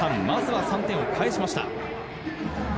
まずは３点を返しました。